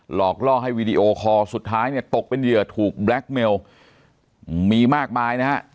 หลอกล่อให้วีดีโอคอร์สุดท้ายเนี่ยตกเป็นเหยื่อถูกแบล็คเมลมีมากมายนะฮะ